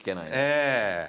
ええ。